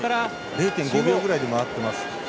０．５秒ぐらいで回っています。